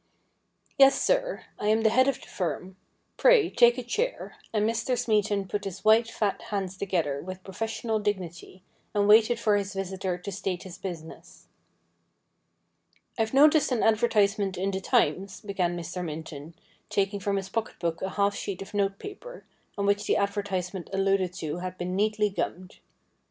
' Yes, sir. I am the head of the firm. Pray, take a chair,' and Mr. Smeaton put his white, fat hands together with professional dignity, and waited for his visitor to state his business. ' I've noticed an advertisement in the Times,' began Mr. Minton, taking from his pocket book a half sheet of note paper, on which the advertisement alluded to had been neatly gummed.